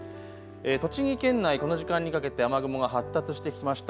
栃木県内、この時間にかけて雨雲が発達してきました。